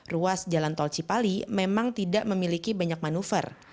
ruas jalan tol cipali memang tidak memiliki banyak manuver